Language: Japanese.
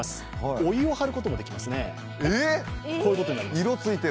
お湯を張ることもできますね。